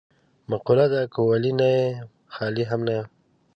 مقوله ده: که ولي نه یم خالي هم نه یم.